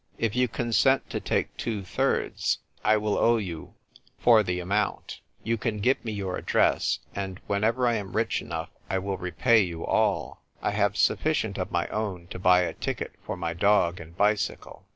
If you consent to take two thirds, I will owe you for the I PLAY CARMEN. 99 amount. You can give me your address ; and whenever I am rich enough I will repay you all. I have sufficient of my own to buy a ticket for my dog and bicycle."